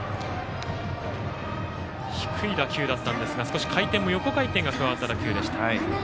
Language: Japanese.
低い打球だったんですが少し回転も横回転が加わった打球でした。